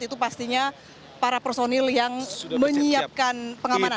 itu pastinya para personil yang menyiapkan pengamanan